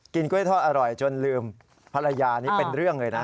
กล้วยทอดอร่อยจนลืมภรรยานี่เป็นเรื่องเลยนะ